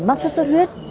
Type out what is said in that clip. mắc suốt suốt huyết